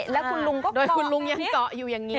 แล้วคุณลุงก็เกาะอยู่โดยคุณลุงยังเกาะอยู่อย่างนี้